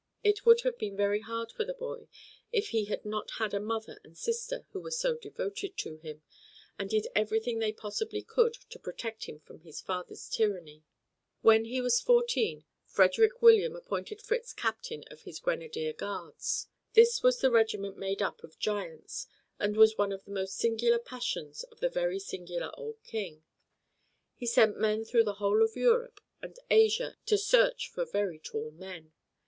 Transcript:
It would have been very hard for the boy if he had not had a mother and sister who were so devoted to him, and did everything they possibly could to protect him from his father's tyranny. When he was fourteen, Frederick William appointed Fritz captain of his Grenadier Guards. This was the regiment made up of giants, and was one of the most singular passions of the very singular old King. He sent men through the whole of Europe and Asia to search for very tall men.